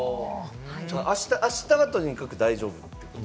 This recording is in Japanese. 明日はとにかく大丈夫ってこと？